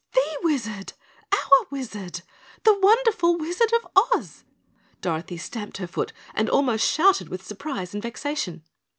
"THE Wizard, OUR Wizard, the wonderful Wizard of Oz." Dorothy stamped her foot and almost shouted with surprise and vexation.